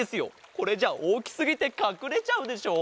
これじゃおおきすぎてかくれちゃうでしょ？